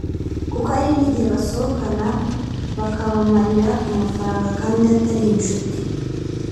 kuko hari n’igihe basohokana bakabamarira amafaranga kandi atari inshuti